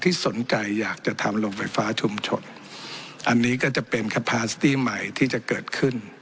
ที่สนใจอยากจะทำโรงไฟฟ้าชุมชนอันนี้ก็จะเป็นแค่พาสตี้ใหม่ที่จะเกิดขึ้น